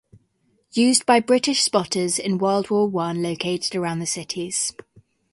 Used by British spotters in World War One located around the cities.